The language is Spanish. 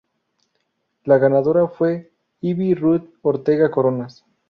La ganadora fue Ivy Ruth Ortega Coronas.